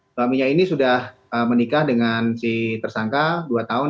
suaminya ini sudah menikah dengan si tersangka dua tahun